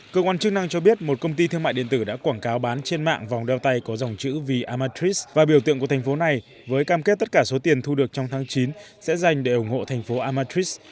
cơ quan chức năng cho biết một công ty thương mại điện tử đã quảng cáo bán trên mạng vòng đeo tay có dòng chữ vì amatrix và biểu tượng của thành phố này với cam kết tất cả số tiền thu được trong tháng chín sẽ dành để ủng hộ thành phố amatrix